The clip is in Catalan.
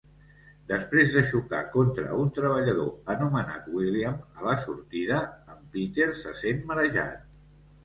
Desprès de xocar contra un treballador anomenat William a la sortida, en Peter se sent marejat.